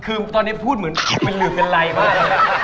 คือตอนนี้พูดเหมือนเป็นหืบเป็นไรมาก